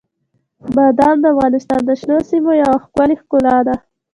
بادام د افغانستان د شنو سیمو یوه ښکلې ښکلا ده.